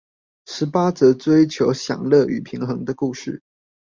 十八則追求享樂與平衡的故事